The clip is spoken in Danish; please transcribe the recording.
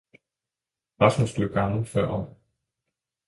Rasmus blev gammel før årene.